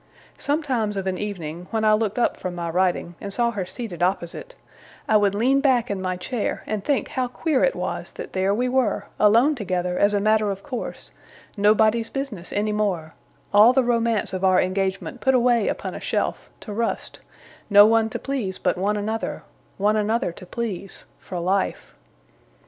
Sometimes of an evening, when I looked up from my writing, and saw her seated opposite, I would lean back in my chair, and think how queer it was that there we were, alone together as a matter of course nobody's business any more all the romance of our engagement put away upon a shelf, to rust no one to please but one another one another to please, for life.